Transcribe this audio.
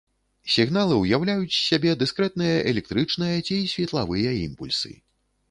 Сігналы ўяўляюць з сябе дыскрэтныя электрычныя ці светлавыя імпульсы.